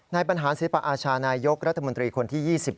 บรรหารศิลปอาชานายกรัฐมนตรีคนที่๒๐